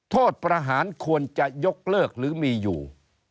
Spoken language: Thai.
โทษประหารควรจะยกเลิกหรือมีอยู่